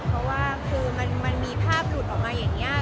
เพราะว่าคือมันมีภาพหลุดออกมาอย่างนี้